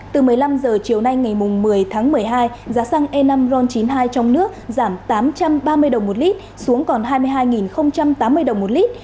từ một mươi năm h chiều nay ngày một mươi tháng một mươi hai giá xăng e năm ron chín mươi hai trong nước giảm tám trăm ba mươi đồng một lít xuống còn hai mươi hai tám mươi đồng một lít